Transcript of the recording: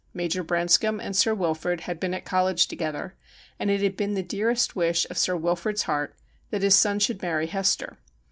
Major Branscombe and Sir Wilfrid had been at college together, and it had been the dearest wish of Sir Wilfrid's heart that his son should marry Hester.